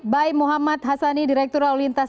bai muhammad hassani direktur lalu lintas